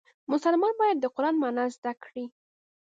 مسلمان باید د قرآن معنا زده کړي.